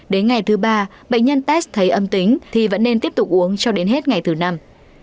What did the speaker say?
đến ngày thứ ba bệnh nhân test thấy âm tính thì vẫn nên tiếp tục uống cho đến hết ngày thứ năm